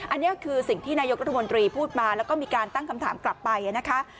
อันนี้คือสิ่งที่นายกรัฐมนตรีพูดมาแล้วก็มีการตั้งคำถามกลับไปนะคะ